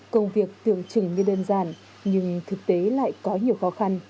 công việc tưởng chừng như đơn giản nhưng thực tế lại có nhiều khó khăn